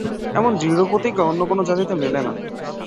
এমন দৃঢ়প্রতিজ্ঞা অন্য কোন জাতিতে মেলে না।